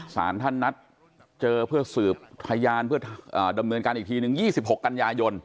สารท่านนัดเจอเพื่อสืบพยานเพื่อดำเนินการอีกทีนึง๒๖กันยายน